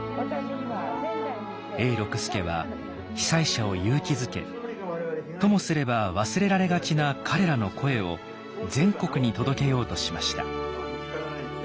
永六輔は被災者を勇気づけともすれば忘れられがちな彼らの声を全国に届けようとしました。